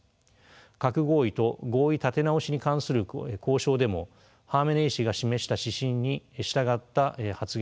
核合意と合意立て直しに関する交渉でもハーメネイ師が示した指針に従った発言が目立ちます。